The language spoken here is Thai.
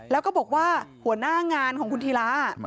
แล้วก็บอกว่าหัวหน้างานของคุณธีระ